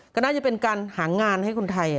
ก็น่าจะเป็นการหางานให้คนไทย